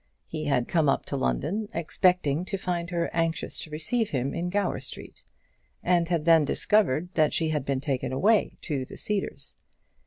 He had come up to London, expecting to find her anxious to receive him in Gower Street, and had then discovered that she had been taken away to the Cedars.